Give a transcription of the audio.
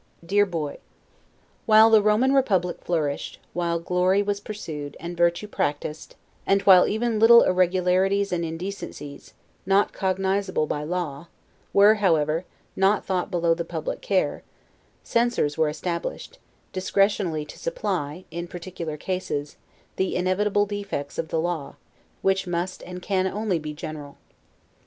DEAR BOY: While the Roman Republic flourished, while glory was pursued, and virtue practiced, and while even little irregularities and indecencies, not cognizable by law, were, however, not thought below the public care, censors were established, discretionally to supply, in particular cases, the inevitable defects of the law, which must and can only be general.